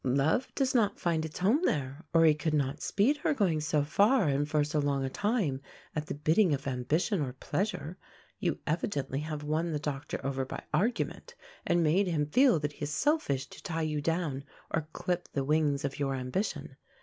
Love does not find its home there, or he could not speed her going so far, and for so long a time, at the bidding of ambition or pleasure. You evidently have won the doctor over by argument, and made him feel that he is selfish to tie you down or clip the wings of your ambition.